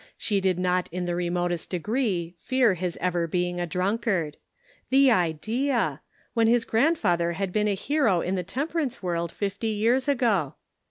She did not in the remotest degree fear his ever being a drunkard. The idea ! when his grandfather had been a hero in the temperance world fifty years ago.